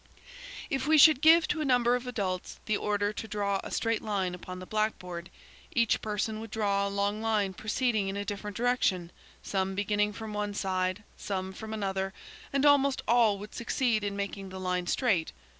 If we should give to a number of adults the order to draw a straight line upon the blackboard, each person would draw a long line proceeding in a different direction, some beginning from one side, some from another, and almost all would succeed in making the line straight.